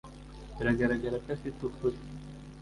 biragaragara ko afite ukuri